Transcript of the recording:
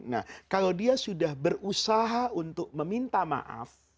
nah kalau dia sudah berusaha untuk meminta maaf